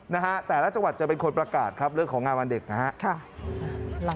นะฮะแต่ละจังหวัดจะเป็นคนประกาศครับเรื่องของงานวันเด็กนะฮะค่ะ